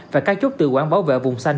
và các chốt tự quản bảo vệ vùng xanh